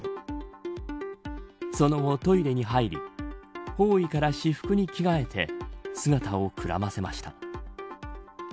その後トイレに入り法衣から私服に着替えて姿をくらませました。